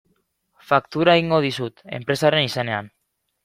Faktura egingo dizut enpresaren izenean.